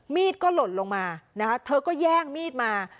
มีดก็หล่นลงมานะคะเธอก็แย่งมีดมา